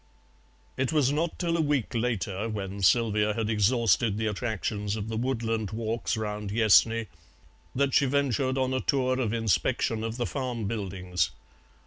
It was not till a week later, when Sylvia had exhausted the attractions of the woodland walks round Yessney, that she ventured on a tour of inspection of the farm buildings.